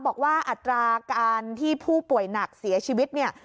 อัตราการที่ผู้ป่วยหนักเสียชีวิตเนี่ย